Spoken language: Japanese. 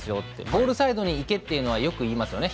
ゴールサイドに行けというのはよく言いますよね